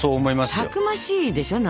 たくましいでしょ？